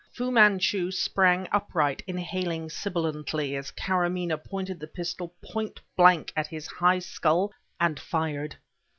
Fu Manchu sprang upright, inhaling sibilantly, as Karamaneh pointed the pistol point blank at his high skull and fired....